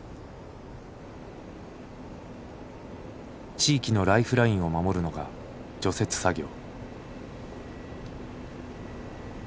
地域のライフラインを守るのが除雪作業。